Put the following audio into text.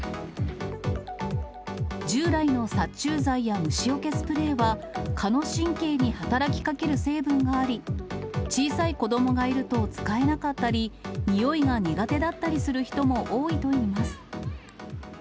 従来の殺虫剤や虫よけスプレーは、蚊の神経に働きかける成分があり、小さい子どもがいると使えなかったり、においが苦手だったりする人も多いといいます。